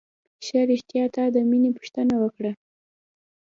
ښه رښتيا تا د مينې پوښتنه وکړه.